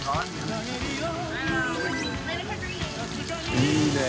いいね。